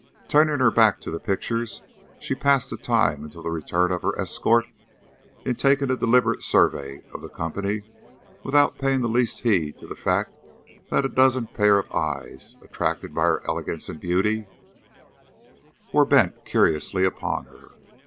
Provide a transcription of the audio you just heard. Turning her back to the pictures, she passed the time until the return of her escort in taking a deliberate survey of the company, without paying the least heed to the fact that a dozen pair of eyes, attracted by her elegance and beauty, were bent curiously upon her.